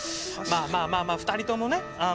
まあまあまあまあ２人ともね。